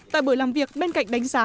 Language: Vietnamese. tại buổi làm việc bên cạnh đánh giá